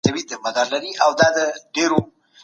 سياسي پرېکړي بايد د خلګو د ګټو لپاره ترسره سي.